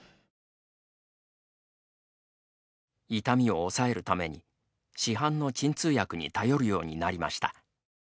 痛みを抑えるために市販の鎮痛薬に頼るようになりました。